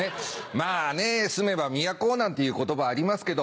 まぁね住めば都なんていう言葉ありますけど。